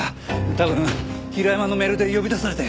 多分平山のメールで呼び出されて。